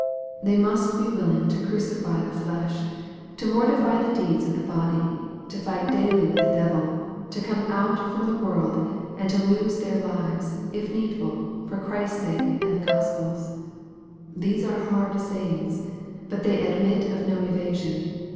They must be willing to crucify the flesh, to mortify the deeds of the body, to fight daily with the devil, to come out from the wor, . and to lose their lives, if needful, for Christ's sake and the Gospel's. These are hard sayings, but they admit of no evasion.